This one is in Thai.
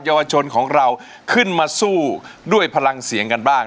เยาวชนของเราขึ้นมาสู้ด้วยพลังเสียงกันบ้าง